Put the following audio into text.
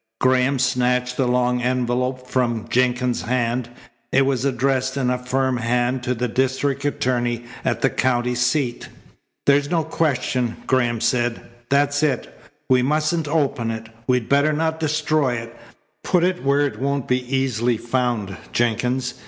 Graham snatched the long envelope from Jenkins' hand. It was addressed in a firm hand to the district attorney at the county seat. "There's no question," Graham said. "That's it. We mustn't open it. We'd better not destroy it. Put it where it won't be easily found, Jenkins.